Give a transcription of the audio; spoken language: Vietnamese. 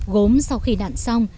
gốm sau khi nặn xong